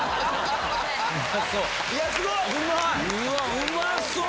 うまそう！